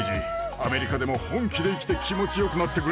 アメリカでも本気で生きて気持ちよくなってくれ！